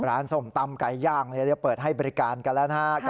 ส้มตำไก่ย่างเปิดให้บริการกันแล้วนะครับ